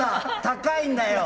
高いんだよ。